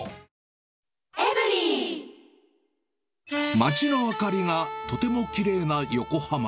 ⁉街の明かりがとてもきれいな横浜。